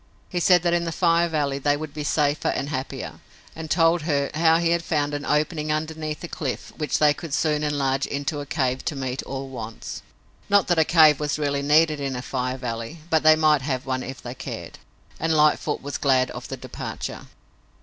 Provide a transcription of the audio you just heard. He said that in the Fire Valley they would be safer and happier, and told her how he had found an opening underneath the cliff which they could soon enlarge into a cave to meet all wants. Not that a cave was really needed in a fire valley, but they might have one if they cared. And Lightfoot was glad of the departure.